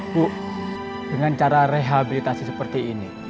bu dengan cara rehabilitasi seperti ini